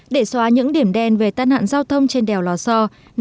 để xóa những điểm đen về tai nạn giao thông trên đèo lò so